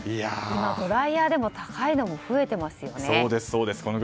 今、ドライヤーでも高いのが増えていますもんね。